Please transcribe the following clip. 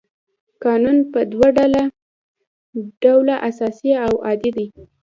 قانون په دوه ډوله اساسي او عادي دی.